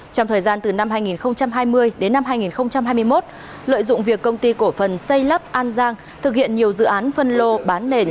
trong thời gian từ năm hai nghìn hai mươi đến năm hai nghìn hai mươi một lợi dụng việc công ty cổ phần xây lắp an giang thực hiện nhiều dự án phân lô bán nền